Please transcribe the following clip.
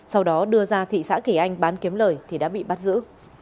sau đó đưa ra thị xã kỳ anh bán kiếm lời thì đã bị bắt giữ